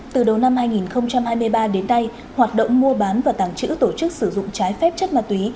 từ đầu năm hai nghìn hai mươi ba đến nay hoạt động mua bán và tàng trữ tổ chức sử dụng trái phép chất ma túy